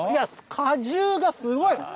果汁がすごい。